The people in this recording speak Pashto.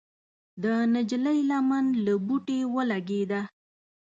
د نجلۍ لمن له بوټي ولګېده.